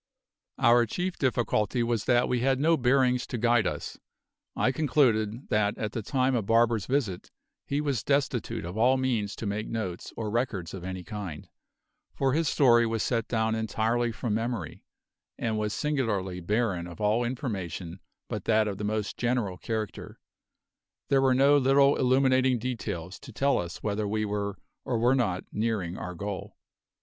Our chief difficulty was that we had no bearings to guide us. I concluded that at the time of Barber's visit he was destitute of all means to make notes or records of any kind, for his story was set down entirely from memory, and was singularly barren of all information but that of the most general character; there were no little illuminating details to tell us whether we were or were not nearing our goal.